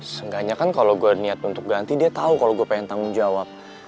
seenggaknya kan kalau gue niat untuk ganti dia tahu kalau gue pengen tanggung jawab